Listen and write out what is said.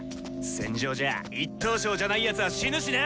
戦場じゃ１等賞じゃないやつは死ぬしな！